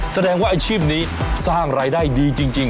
แสดงว่าอาชีพนี้สร้างรายได้ดีจริง